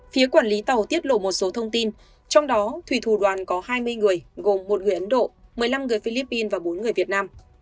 phía quản lý tàu tiết lộ một số thông tin trong đó thủy thủ đoàn có hai mươi người gồm một người ấn độ một mươi năm người philippines và bốn người việt nam